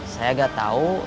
saya tidak tahu